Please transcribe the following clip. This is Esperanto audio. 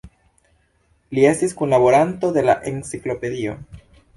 Li estis kunlaboranto de la Enciklopedio.